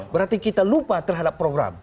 berarti kita lupa terhadap program